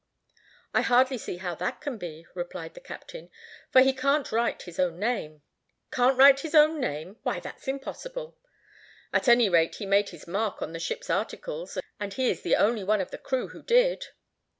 "I hardly see how that can be," replied the captain, "for he can't write his own name." "Can't write his own name! Why, that is impossible." "At any rate he made his mark on the ship's articles, and he is the only one of the crew who did."